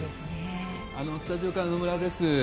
スタジオから野村です。